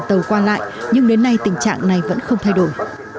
tàu qua lại nhưng đến nay tình trạng này vẫn không thay đổi